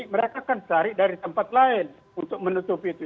mereka akan cari dari tempat lain untuk menutupi itu